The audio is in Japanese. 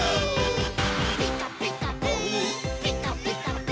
「ピカピカブ！ピカピカブ！」